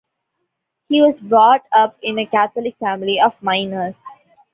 He was brought up in a Catholic family of miners.